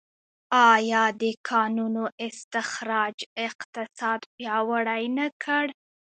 آیا د کانونو استخراج اقتصاد پیاوړی نه کړ؟